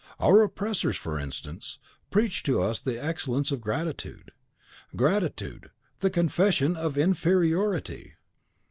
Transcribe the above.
Our oppressors, for instance, preach to us of the excellence of gratitude. Gratitude, the confession of inferiority!